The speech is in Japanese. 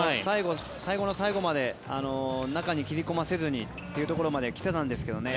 最後の最後まで中に切り込ませずにというところまで来てたんですけどね。